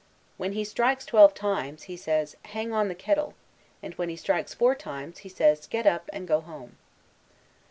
"When he strikes twelve times, he says, 'Hang on the kettle'; and when he strikes four times, he says, 'Get up, and go home.'"